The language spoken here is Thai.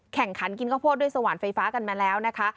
แข่งขันกินข้าวโพดด้วยสว่านไฟฟ้ากันมาแล้วนะคะ